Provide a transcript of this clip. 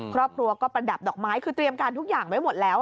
ครอบครัวก็ประดับดอกไม้คือเตรียมการทุกอย่างไว้หมดแล้ว